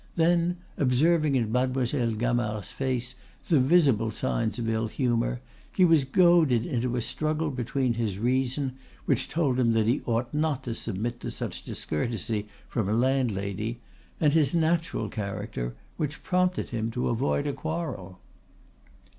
Then, observing in Mademoiselle Gamard's face the visible signs of ill humour, he was goaded into a struggle between his reason, which told him that he ought not to submit to such discourtesy from a landlady, and his natural character, which prompted him to avoid a quarrel.